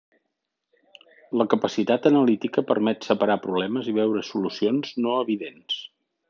La capacitat analítica permet separar problemes i veure solucions no evidents.